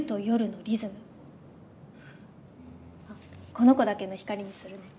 この子だけの光にするね。